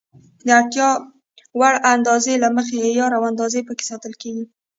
د اړتیا وړ اندازې له مخې عیار او اندازه پکې ساتل کېږي.